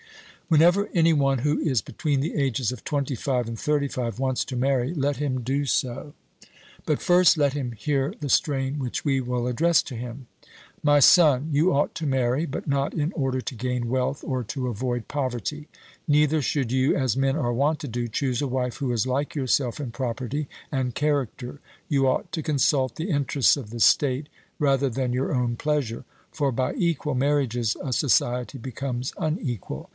Whenever any one who is between the ages of twenty five and thirty five wants to marry, let him do so; but first let him hear the strain which we will address to him: My son, you ought to marry, but not in order to gain wealth or to avoid poverty; neither should you, as men are wont to do, choose a wife who is like yourself in property and character. You ought to consult the interests of the state rather than your own pleasure; for by equal marriages a society becomes unequal.